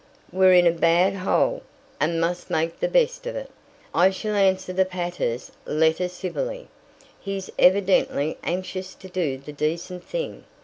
"We're in a bad hole, and must make the best of it. I shall answer the pater's letter civilly. He's evidently anxious to do the decent thing.